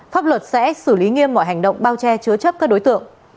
pháp luật sẽ xử lý nghiêm mọi hành động bao che chứa chấp các đối tượng